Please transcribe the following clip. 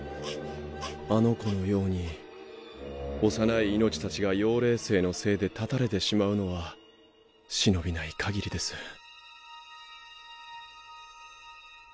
あの子のように幼い命達が妖霊星のせいで絶たれてしまうのは忍びない限りです